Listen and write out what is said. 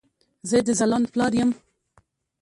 زه د ځلاند پلار يم